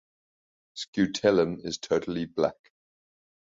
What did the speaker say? Scutellum totally black.